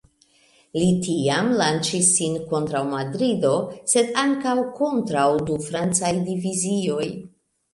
Li tiam lanĉis sin kontraŭ Madrido sed ankaŭ kontraŭ du francaj divizioj.